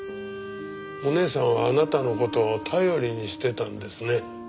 お姉さんはあなたの事を頼りにしてたんですね。